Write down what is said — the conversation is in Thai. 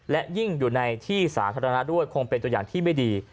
และยิ่งอยู่ในที่สาธารณะด้วยคงเป็นตัวอย่างที่ไม่ดี